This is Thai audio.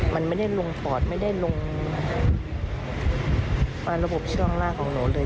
มันไม่ได้ลงปอดไม่ได้ลงฟันระบบช่วงล่างของหนูเลย